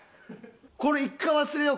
これ一回忘れよう。